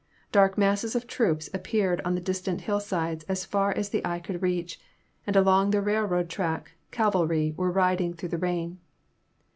Dark masses of troops appeared on the distant hillsides as far as the eye could reach, and along the railroad track cavalry were riding through the rain.